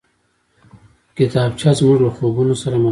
کتابچه زموږ له خوبونو سره ملګرې ده